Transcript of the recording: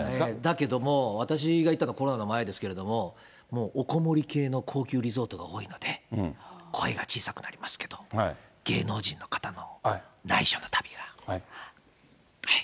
だけども、私が行ったのはコロナの前ですけれども、もうおこもり系の高級リゾートが多いので、声が小さくなりますけど、芸能人の方の内緒の旅が、はい。